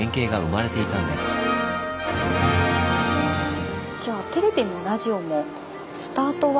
つまりじゃあテレビもラジオもスタートは。